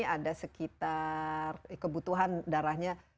ada sekitar kebutuhan darahnya